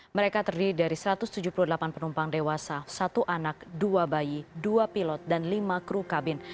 mereka terdiri dari satu ratus tujuh puluh delapan penumpang dewasa satu anak dua bayi dua pilot dan lima kru kabin